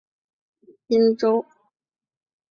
金周路站是一个岛式站台车站。